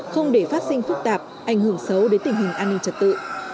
không để phát sinh phức tạp ảnh hưởng xấu đến tình hình an ninh trật tự